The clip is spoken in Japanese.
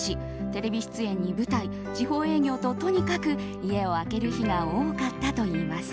テレビ出演に舞台、地方営業ととにかく家を空ける日が多かったといいます。